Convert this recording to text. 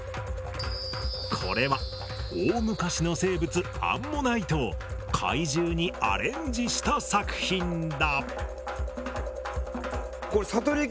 これは大昔の生物アンモナイトを怪獣にアレンジした作品だ。